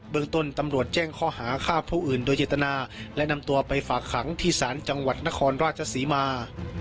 เมืองต้นตำรวจแจ้งข้อหาฆ่าผู้อื่นโดยเจตนาและนำตัวไปฝากขังที่ศาลจังหวัดนครราชศรีมา